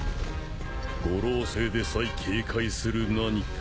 五老星でさえ警戒する何か。